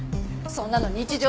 そんなの日常